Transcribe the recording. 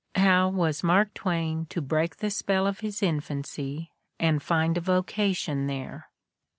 How was Mark Twain to break the spell of his infancy and find a vocation there